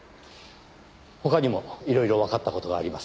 他にも色々わかった事があります。